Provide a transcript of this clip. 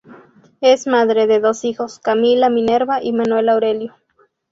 Es madre de dos hijos, Camila Minerva y Manuel Aurelio.